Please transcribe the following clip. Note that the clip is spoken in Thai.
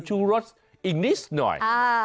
ฌุรสอีกนิจน้อย